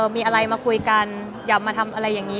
มีอะไรมาคุยกันอย่ามาทำอะไรอย่างนี้